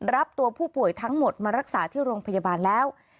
รับตัวผู้ป่วยทั้งหมดมารักษาที่โรงพยาบาลแล้ว